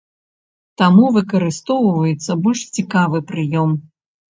Таму выкарыстоўваецца больш цікавы прыём.